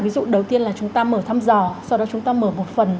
ví dụ đầu tiên là chúng ta mở thăm dò sau đó chúng ta mở một phần